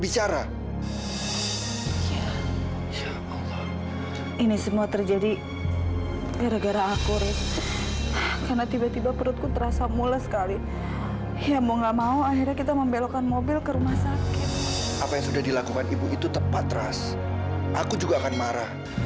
sampai jumpa di video selanjutnya